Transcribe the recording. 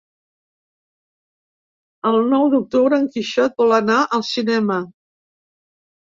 El nou d'octubre en Quixot vol anar al cinema.